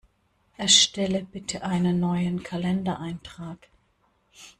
Erstelle bitte einen neuen Kalendereintrag!